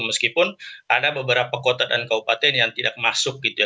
meskipun ada beberapa kota dan kabupaten yang tidak masuk gitu ya